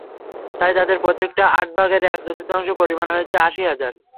তাই তাঁদের প্রত্যেকের আট ভাগের এক চতুর্থাংশের পরিমাণ হয়েছিল আশি হাজার।